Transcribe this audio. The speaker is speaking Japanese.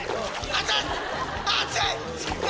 熱い‼